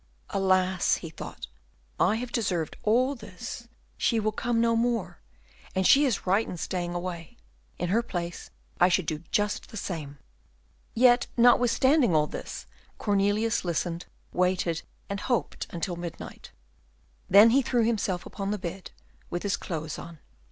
"Alas!" he thought, "I have deserved all this. She will come no more, and she is right in staying away; in her place I should do just the same." Yet notwithstanding all this, Cornelius listened, waited, and hoped until midnight, then he threw himself upon the bed, with his clothes on.